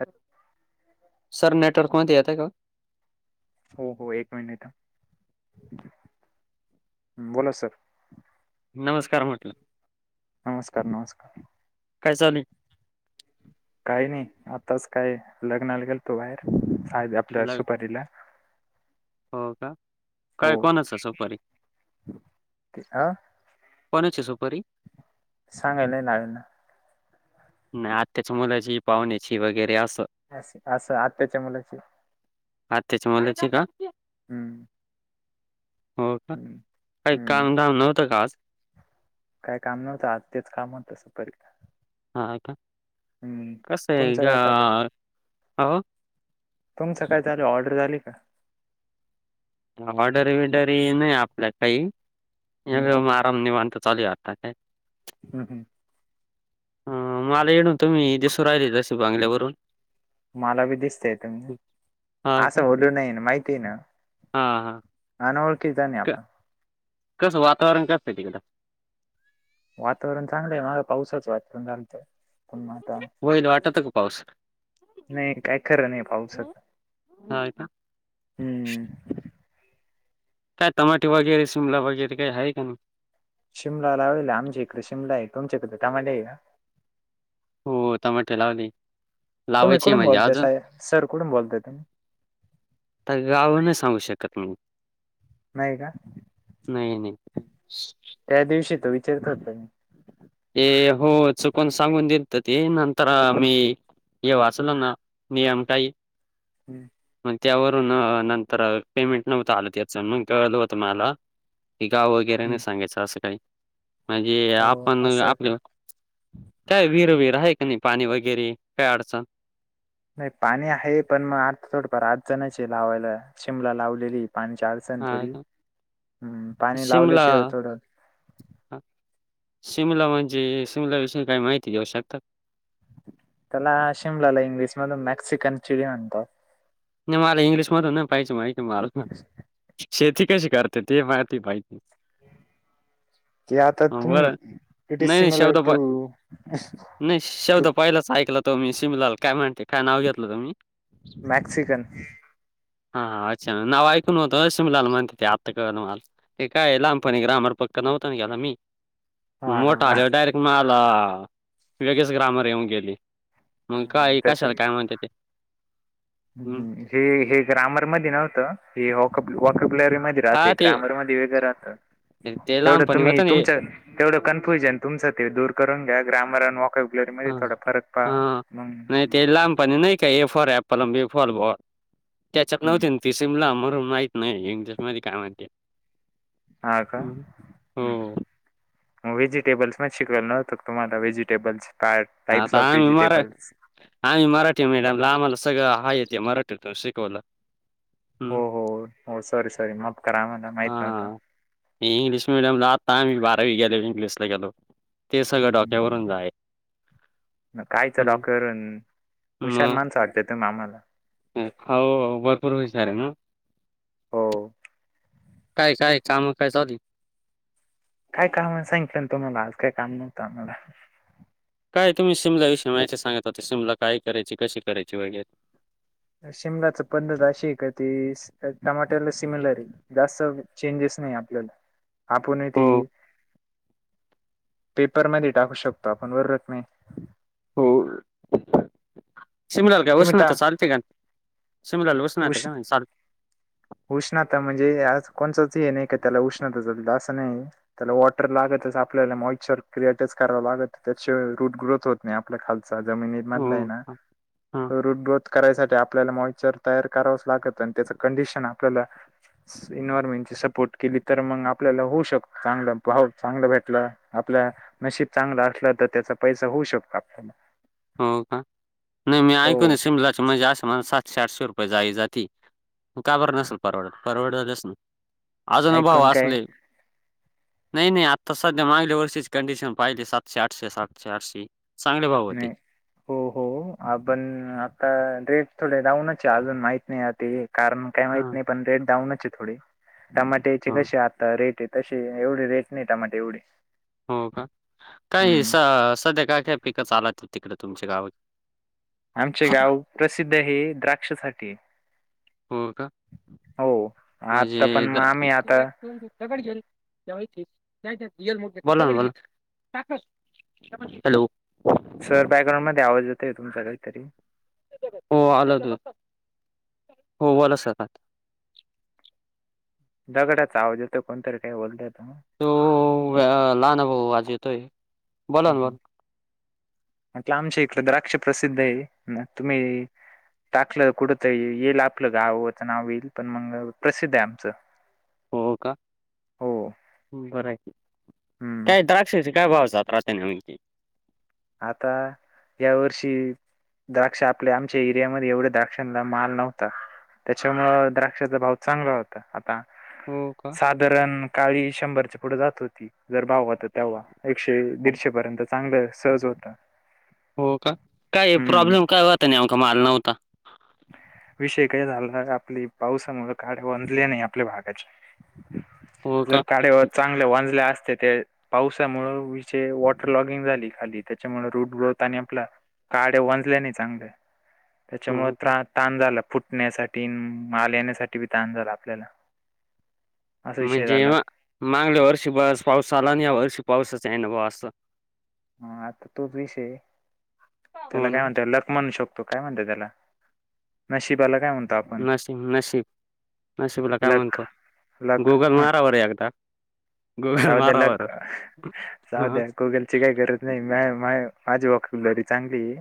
Hello. Sir, network मध्ये येता का हो? हो हो... एक मिनिटं थांब. बोला सर. नमस्कार म्हटलं... नमस्कार नमस्कार काय चालू‌ ए? काही नाही... आताच काय... लग्नाला गेलो होतो बाहेर [unintelligible] त्या लाईव्ह सुपारीला हो का... हो काय कोणाचा सुपारी? ते अ कोणाची सुपारी? सांगायला नाई लागल ना नाई.... आत्याच्या मुलाची... पाहुण्याची... वगैरे असं असं... असं आत्याच्या मुलाची. आत्याच्या मुलाची का? हूं. हो का... काही हम्म. कामधाम नव्हतं का आज? काय काम नव्हतं आज... तेच काम होतं... सुपारीचं. हा का... कसं तुमचं काय चालू आहे ए [unintelligible] तुमचं काय चालू आहे.... ऑर्डर झाली का? ऑर्डरी बिरडरी नाई आपल्या काई... हम्म, एकदम आराम... निवांत चालू ये आता. आणि काय हम् हम् ह मला इथुन तुम्ही दिसू राहिले जसे बंगल्यावरुन मला पन दिसताय तुम्ही असं बोलू नाही माहितीये ना हा हा ना ना अनोळखी च नाही आपण कसं वातावरण कसं आहे तिकडं वातावरण चांगलं आहे, मघा पावसाचं वातावरण झाल होत होईल वाटत का पाऊस नाही काय खरं नाही पावसात ह का हम्म काय टमाटे वगैरे शिमला वगैरे काही आहे का नाही शिमला लावले आहे, आमच्या इकडे शिमला आहे तुमच्याकडे टमाटे आहे ना हो टमाटे लावले हे. तुम्ही कुठून बोलतय साहेब, सर कुठून बोलतय तुम्ही? तर गाव नाही सांगू शकत मी नाही का नाही नाही. त्या दिवशी त विचारत होत मी ए हो चुकून सांगून देत ते नंतर मी हे वाचलं ना नियम तेन. हम्म मग त्यावरून नंतर पेमेंट नव्हत आलं त्याच मग कळलं होतं मला की गाव वगैरे हम्म. नाही सांगायच असं काही म्हणजे हो आपण असं का आपल्या काय विर विर आहे का नाही पाणी वगैरे काय अडचण नाही पाणी आहे, पण मग थोडी फार अडचण चे आहे लावायला शिमला लावलेली पाणीच्या अडचण हा थोडी का ह् पाणी लावल्याशिवाय थोडं ह शिमला म्हणजे शिमला विषयी काही माहिती देऊ शकता. त्याला शिमलाला इंग्लिश मध मेक्सिकन चिली म्हणतात. नाही मला इंग्लिश मधून ना पाहिजे माहिती मला शेती कशी करतात ते माहिती पाहिजे. ते आता हं, तुम्ही बरं पिटीस नाही सी नाही मला शब्द ते प नाही शब्द पहिलंच ऐकलं तो मी सिमलाल काय म्हणते काय नाव घेतलं तो तुम्ही मॅक्सिकन हा हा अच्छा नाव ऐक न होतं शिमलाला म्हणती ते आत्ता कळालं मला. ते काय लहानपणी ग्रामर पक्का नव्हता ना मी हा हा मोठा हा आले डायरेक्ट मला वेगळेच ग्रामर येऊन गेली. मग हम्म, काय त्याच्या कशाला काय म्हणते ते हम्म हे ग्रामरमध्ये नव्हतं वॉकप वॉकपलेरी मध्ये हा राहते ते ग्रामर मध्ये वेगळं राहत ते तेवढं लहानपणी तुम्ही होतं ना हे तुमच्या तेवढं कन्फ्युजन तुमचं ते दूर करून घ्या ग्रामर आणि वॉक कब्लरी मध्यें हा थोडा फरक पहा हा. नाही मग ते लहानपणी नाही का ए फॉर एप्पल अन बी फॉर बॉल त्याॅचत नव्हती ती सिमला म्हणून माहिती नाही इंग्लिशमध्ये काय म्हणते हा का हम्म. हो हम्म वेजिटेबल्स पण शिकवावं नव्हतं का तुम्हाला वेजिटेबल्स टाइप्स आता ऑफ आम्ही मरा वेजिटेबल्स आम्ही मराठी मीडियम ला आम्हाला सगळंच आहेते मराठीतूनच शिकवलं. हम्म हो हो हो सॉरी सॉरी माफ करा आम्हाला माहित नव्हतं. हा इंग्लिश मिडियमला आता आम्ही बारावीनंतर इंग्लिशला गेलो ते सगळं डोक्यावरून हम्म. जाई. कायच डॉकरन, हुशार माणसं वाटत्या तुम्ही आम्हाला. ह्म, हो हो भरपूर हुशार ना. हो. काय-काय काम काय चालू? काय काम सांगितलं ना तुम्हाला, आज काय काम नव्हतं आम्हाला. काय तुम्ही शिमला विषयी माहिती सांगत होते, शिमला काय करायची, कशी करायची, वगैरे? शिमलाच पद्धत अशी ये का, ती टमाट्याला सिमिलर ये. जास्त चेंजेस नही आपल्याला, आपणही हो ती पेपरमध्ये टाकू शकतो आपण, बरोबर का नाही? हो, शीमला काय तुम्ही टा उष्णता चालते का? शीमला उष्णता उष् काय माहीत चाल उष्णता म्हणजे आज कोणचच हे नही का, त्याला उष्णता चालल, असं नही. त्याला वॉटर लागतच, आपल्याला मॉइचर क्रिएटच कराव लागत, त्याच्याशिवाय त्याची रूट ग्रोथ होत नही, आपल्या खालचा, जमिनीत हो मधला ये ना, हो तो रुट ग्रोथ करायसाठी आपल्याला मॉइचर तयार करावच लागत आणि त्याच कंडिशन आपल्याला इन्वयरमेंटची सपोर्ट केली, तर मग आपल्याला होऊ शकतो चांगलं, भाव हो चांगला भेटला. आपला नशीब चांगलं असलं, तर त्याचा पैसा होऊ शकतो, आपल्याला. हो का, नाही मी ऐकू हो न, शीमलाची म्हणजे अशी माजी सातशे आठशे रुपये जाळी जात ती, म काबर नसल परवडत? परवडतच ना, अजूनही भाव ऐकून काय असले [inaudible] नही नही आत्ता सध्या मांगल्या वर्षीची कंडिशन पाहिली, सातशे-आठशे, सातशे-आठशे चांगले भाव होते. नाही हो हो आपण आता रेट थोडे डाऊनचये अजून, माहित नाही हा ते कारण काही माहित हां, नही, पण रेट डाऊनच ये थोडे, टमाट्याचे हो, कसे आता रेट येत? तशे एवढे रेट नही, टमाटे एवढे. हो का? काही हम्म स-सध्या काय-काय पिक चालात्या तिकड तुमचे गाव आमचे गाव प्रसिद्ध, हे द्राक्षासाठी ये. हो का? आत्ता माझे पण मग द्र आम्ही [unintelligible] आता दगड घेऊन ठेवायचे, [unintelligible] बोला ना बोला, साथ [unintelligible] हॅलो? सर बॅकग्राऊंड मध्ये आवाज येतोय तुमचा, काहीतरी. हो आलं दूध, हो बोला सर आता. दगडाचा आवज येतोय, कोणतरी काही बोलतय त म. तो अ लहाना भाऊ, वाजितो. ह्म ह्म, म्हटलं आमच्या इकड द्राक्ष प्रसिद्ध ये, तुम्ही टाकलं कुड त येईल आपलं गाव च नाव येईल, पण मग प्रसिद्ध ये आमचं. हो का? हो. बरंय, हम्म. काय द्रा क्षाचे काय भाव जात राहत्या नेमके? आता यावर्षी द्राक्ष आपल्या, आमच्या एरियामध्ये एवढ्या द्राक्षांना माल नव्हता. त्याच्यामुळ द्राक्षाचा भाव चांगला होता, आता. हो का? साधारण काळी शंभरच्या पुढ जात होती, जर भाव होता तेव्हा, एकशे दीडशे पर्यंतच चांगलं सहज होत. हो क? काय हम्म प्रॉब्लेम काय होता नेमका? माल नव्हता. विषय काय झालाता, आपली पावसामुळे काडया वंजल्या नाही, आपल्या बागाच्या. [inaudible] जर काडेवर चांगले वंजल्या असत्या ते. पावसामुळ विषय वॉटर लॉगिंग झाली खाली त्याच्यामुळे रूट ग्रोथ आणि आपला काड्या वंजल्या नाही चांगल्या. त्याच्यामुळे हो का? त्रा- ताण झाला. फुट टण्यासाठी, माल येण्यासाठी बी ताण झाला आपल्याला. असा विषय म्हणजे झाला हं मागल्या वर्षी बराच पाऊस आला, आणि या वर्षी पावसाच येइना बा असं. हा आता तोच विषय. त्याला हो काय ना. म्हणत्या लक म्हणू शक तो काय म्हणत त्याला, नशिबाला काय म्हणतो आपण? नशीम-नशीब नशीबाला काय लक म्हणतो, लक गुगल ह मारा बर एकदा. गुगल जाऊ मारा [inaudible] बर हं. गुगल ची काही गरच नाही. मा -माय-माझी होक्यांब्लरी चांगलीये.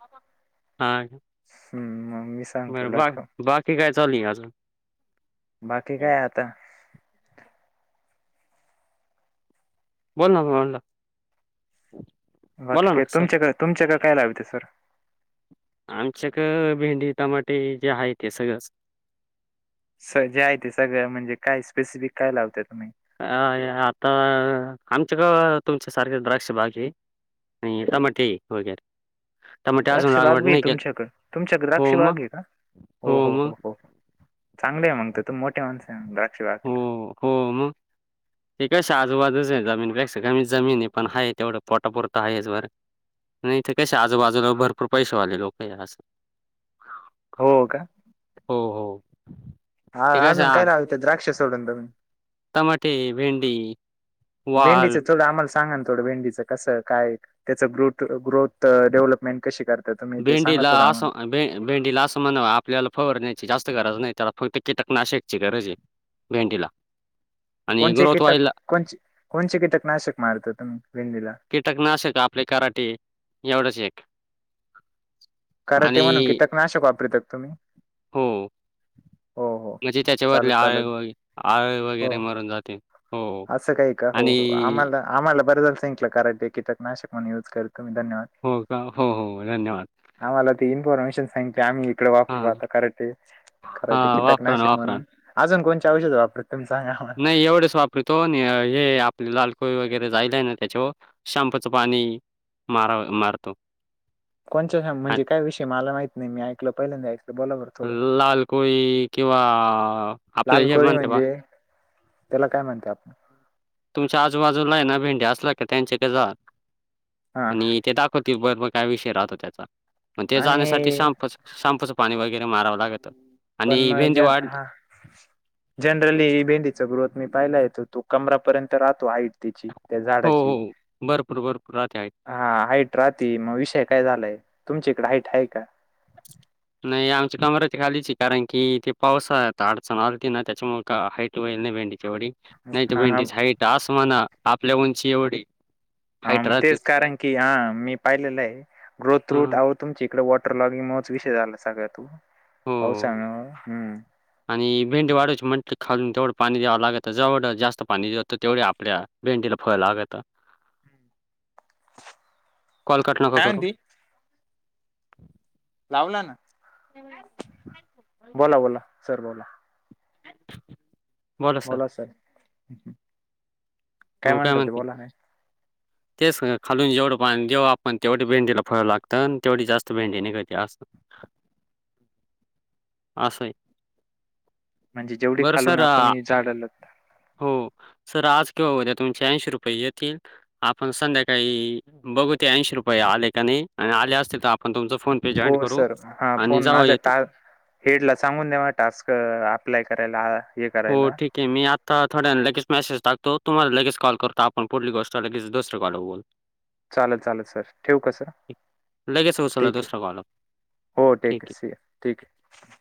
[unintelligible] हा हम्म म मी सांगतो बरं लक बाकी- बाकी काय चालूय आजुन? बाकी काय आता. बोल ना -बोल्ला बाकी ना काय सर तुमच्याकडं- तुमच्याकडं काय लाविते सर? आमच्याक भेंडी, टमाटे जे आहे ते सगळंच. सर जे आहे ते सगळं म्हणजे, काय स्पेसिफिक काय लावते तुम्ही? आय-आता आमच्याकड तुमच्यासारखे द्राक्ष बाग ये. आणि टमाटे थोडक्यात द्राक्ष बाग भी तुमच्याकडं, तुमच्याकडं द्राक्ष हो मग बाग आहे का? हो- हो -हो -हो- हो. चांगलेय आहे मग त तूम्ही मोठ्या माणसय द्राक्ष बाग आहे हो तर. हो मग, ती कसाय आजूबाजूच आहे जमीनपेक्षा का मी जमीन आहे पण आहे तेवढं पोटापुरत आहेच बर नाही इथ कस आजूबाजूला भरपूर पैशेवाले लोकं हाय असं हो का? हो- हो. हा ते कशा आजून काय लावल द्राक्ष सोडून तम्ही? टमाटे, भिंडी, वाल. भेंडीचं थोडं आम्हाला सांगा ना थोडं भेंडीचं कसं, काय त्याच ग्रोथ- ग्रोथ डेव्हलपमेंट कशी कर ता तुम्ही ते सांगा भेंडीला थोड आम्हा असं भे- भेंडीला असं म्हणावा आपल्याला फिरण्याची जास्त गरज नाही, त्याला फक्त कीटकनाशकची गरजये. भेंडीला. कोणचे ग्रोथ कीटक- व्हायला कोणचे- कोणचे कीटकनाशक मारता तुमही भेंडीला? कीटकनाशक आपले कराटे एवढंच एक. काराटे म्हणून आणि कीटक नाशक वापरतात तुम्ही? हो हो हो म्हणजे त्याच्यावरली चालेल आळ- चालेल व- आळ वगैरे हो मरून जाते. हो, हो. असं काही का? आणि हो- हो आम्हाला- आम्हाला बरं झाल सांंगितलं कारण ते कीटकनाशक म्हणून यूज करतो मी धन्यवाद. हो का? हो -हो धन्यवाद. आम्हाला ते इन्फॉर्मेशन सांगती आम्ही इकडे हां, वापरहता कराटे -कराटे हां. कीटक वापरा ना, नाशक वापरा ना. म्हणून. अजून कोणचे औषध वापरत तुम्ही सांगा. आम्हाला. नाही एवढंच वापरितो हे आपली लालकोई वगैरे जायला आहे ना त्याच्याव शांम्पूच पाणी मारा- मारतो. कोण आणि म्हणजे काय विषय मला माहीत नाही म ऐकलं पहिल्यांदा ऐकलं बोला बरं थोडं. लाल कोळी किंवा आपलं लाल हेे कोळी म्हणते बा म्हणजे त्याला काय म्हणत्यात तुमच्या आजूबाजूला आहे ना भेंडे्या असला का त्यांचे ते जा हा आणि ते द बर काय विषय राहतो त्याचा पण ते जाण्यासाठी आणि शांप शॅम्पूचं पाणी वगैरे मारावं लागत. पण मग ज हा जनरली ही भेंडीचा ग्रोथ मी पाहियला येतो तो कमरापर्यंत राहतो हईट तिची त्या हो, झाडाची हो. भरपूर, भरपूर राहते हाईट. हा हाइट राहते मग विषय काय झालाय तुमच्या इकड हाइट आहे का नाही आमची कमरा त खालीची कारण की तेे पावसाळ्यात अडचण आलती ना त्याच्यामुळे का हाईट वईल नाही भेंडी. एवढी नाही तर हा भेंडीची हाईट असं होईना आपल्या उंची एवढी हा हाईट तेच राहतेच. कारण की हा मी पाहिलेलं आहे ग्रोथ हं, रूट हं. आ तुमच्या इकडे वॉटर लॉगिंग मुळच विषय झाला सगळ्यात हो पावसामुळे हम्म आणि भेंडी वाढायची म्हटल खालून तेवढं पाणी द्यावं लागत जेवढं जास्त पाणी जात तेवढ आपल्या भेंडीला फळ लागतं. कॉल कट नका काय करू म्हणती लावला ना बोला बोला सर बोला बोला सर हो काय म्हणतात ते म्हणते बोला नाही तेच खालून जेवढं पाणी जेव्हा आपण तेवढी भेंडीला फळवं लागतं तेवढी जास्त भेंडी निघते असत. असं हाय. म्हणजे जेवढी खालून आपण हे झाडला हो सर आज किव्हा उद्या तुमचे ऐंशी रुपये येतील. आपण संध्याकाळी बघू ते ऐंशी रुपये आले का नाही आणि आले असते तर आपण तुमच फोन हो सर हा फोन माझा टा हेड ला सांगून द्या म टास्क अप्लाय करायला हे करायला. की मी आत्ता थोड्यां वेळान लगेच मेसेज टाकतो तुम्हाला लगेच कॉल करतो आपण पुढली गोष्ट लगेच दुसरे कॉल बघू. [unintelligible] चालल चालल सर ठेवू का सर लगेच उचलला ठीक हे. दुसरा कॉल. हो ठीक हे सर ठीक हे.